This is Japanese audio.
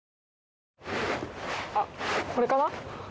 あっこれかな？